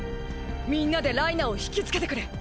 みんなでライナーを引きつけてくれ！！